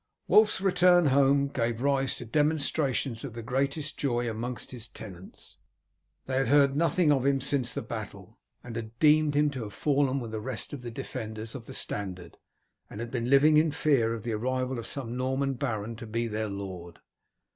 Wulf's return home gave rise to demonstrations of the greatest joy among his tenants. They had heard nothing of him since the battle, and had deemed him to have fallen with the rest of the defenders of the standard, and had been living in fear of the arrival of some Norman baron to be their lord.